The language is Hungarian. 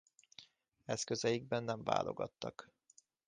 Eszközeikben nem válogattak.